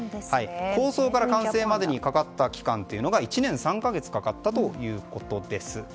構想から完成までにかかった期間というのが１年３か月かかったということです。